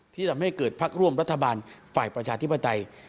ที่ทำให้เกิดพักร่วมรัฐบาลฝ่ายประชาธิปไตย